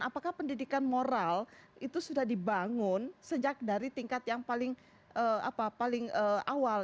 karena pendidikan moral itu sudah dibangun sejak dari tingkat yang paling awal